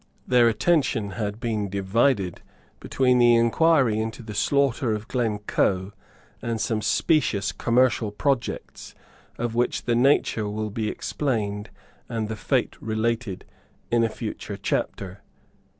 Their attention had been divided between the inquiry into the slaughter of Glencoe and some specious commercial projects of which the nature will be explained and the fate related in a future chapter.